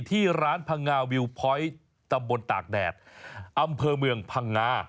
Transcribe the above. ที่ร้านพังงาวิวพอยต์ตำบลตากแดดอำเภอเมืองพังงา